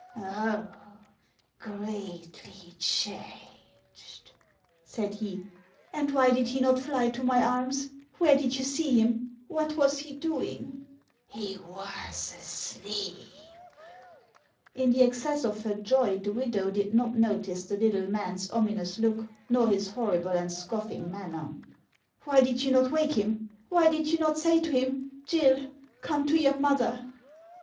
" Oh, greatly changed !" said he. " And why did he not fly to my arms ? Where did you see him ? What was he doing ?''" He was asleep." In the excess of her joy, the widow did not notice the little man's ominous look, nor his horrible, and scoffing manner. " Why did you not wake him ? Why did not you say to him, ' Gill, come to your mother